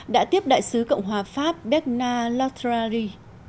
đã tiếp đại sứ cộng hòa pháp bekna lotrari